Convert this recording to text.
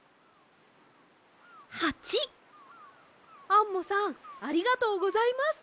アンモさんありがとうございます！